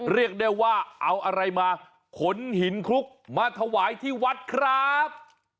เรียกได้ว่าเอาอะไรมาขนหินคลุกมาถวายที่วัดครับ